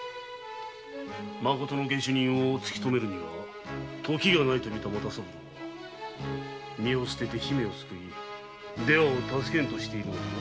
まことの下手人を捜すには時がないとみた又三郎は身を捨てて姫を救い出羽を助けんとしているのだな。